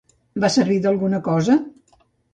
Va servir d'alguna cosa?